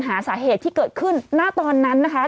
หาสาเหตุที่เกิดขึ้นณตอนนั้นนะคะ